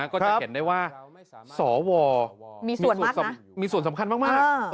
ก็จะเห็นได้ว่าสวมีส่วนสำคัญมาก